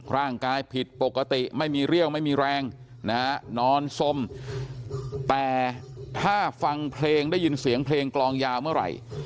ร่างกายผิดปกติไม่มีเรี่ยวไม่มีแรงนะฮะนอนสมแต่ถ้าฟังเพลงได้ยินเสียงเพลงกลองยาวเมื่อไหร่